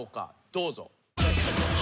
どうぞ。